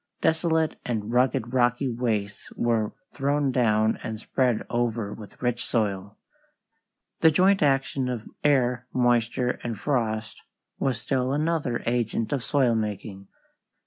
Desolate and rugged rocky wastes were thrown down and spread over with rich soil." The joint action of air, moisture, and frost was still another agent of soil making.